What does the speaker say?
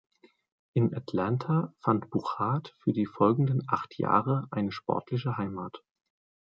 In Atlanta fand Bouchard für die folgenden acht Jahre eine sportliche Heimat.